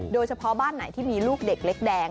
โดยเฉพาะบ้านไหนที่มีลูกเด็กเล็กแดง